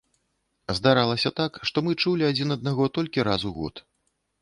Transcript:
Здаралася так, што мы чулі адзін аднаго толькі раз у год.